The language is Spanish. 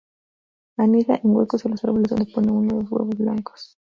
Anida en huecos en los árboles donde pone uno o dos huevos blancos.